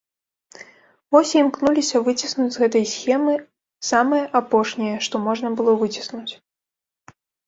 Вось і імкнуліся выціснуць з гэтай схемы самае апошняе, што можна было выціснуць.